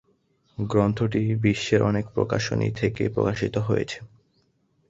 গ্রন্থটি বিশ্বের অনেক প্রকাশনী থেকে প্রকাশিত হয়েছে।